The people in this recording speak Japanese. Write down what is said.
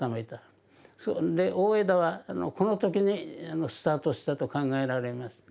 それで大條はこの時にスタートしたと考えられます。